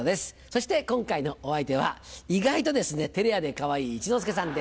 そして今回のお相手は意外と照れ屋でかわいい一之輔さんです。